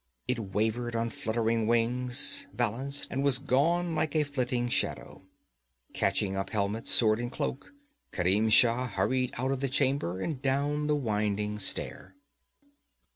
It wavered on fluttering wings, balanced, and was gone like a flitting shadow. Catching up helmet, sword and cloak, Kerim Shah hurried out of the chamber and down the winding stair.